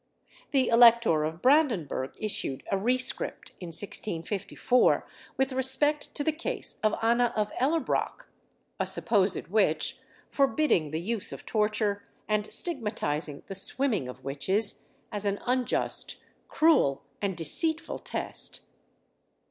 The Elector of Brandenburg issued a rescript, in 1654, with respect to the case of Anna of Ellerbrock, a supposed witch, forbidding the use of torture, and stigmatising the swimming of witches as an unjust, cruel, and deceitful test.